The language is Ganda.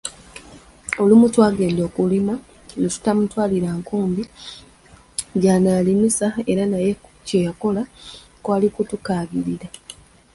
Olumu twagenda okulima ne tutamutwalira nkumbi gyanaalimisa eranaye kye yakola kwali kutukaabirira.